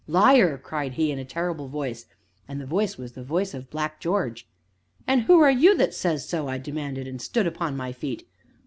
"Liar!" cried he, in a terrible voice, and the voice was the voice of Black George. "And who are you that says so?" I demanded, and stood upon my feet.